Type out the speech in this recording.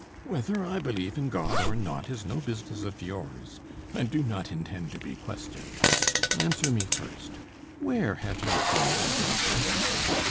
"Whether I believe in God or not, is no business of yours. I do not intend to be questioned. Answer me first: where have you seen my daughter?"